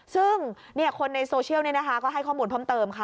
ซึ่งคนในโซเชียลเนี่ยนะคะก็ให้ข้อมูลพร้อมเติมค่ะ